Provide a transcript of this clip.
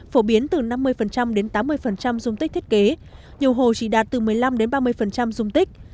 phổ biến từ năm mươi đến tám mươi dung tích thiết kế nhiều hồ chỉ đạt từ một mươi năm đến ba mươi dung tích